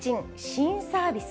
新サービス。